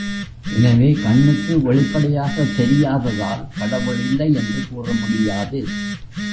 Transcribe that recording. எனவே, கண்ணுக்கு வெளிப்படையாகத் தெரியாததால் கடவுள் இல்லை என்று கூறமுடியாது.